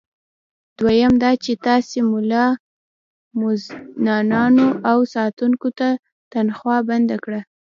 دویم دا چې تاسي ملا، مؤذنانو او ساتونکو ته تنخوا بنده کړه.